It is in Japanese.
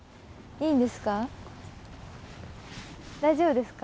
いいんですか？